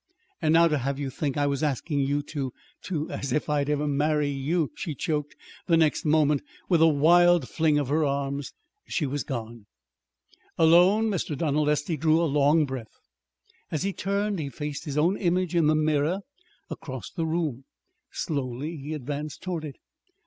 And now to have you think I was asking you to to As if I'd ever marry you!" she choked. The next moment, with a wild fling of her arms, she was gone. Alone, Mr. Donald Estey drew a long breath. As he turned, he faced his own image in the mirror across the room. Slowly he advanced toward it.